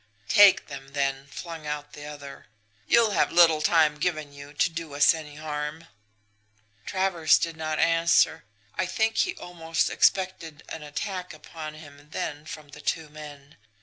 "'Take them, then!' flung out the other. 'You'll have little time given you to do us any harm!' "Travers did not answer. I think he almost expected an attack upon him then from the two men.